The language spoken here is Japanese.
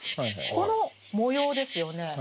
この模様ですよね。